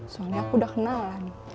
soalnya aku udah kenalan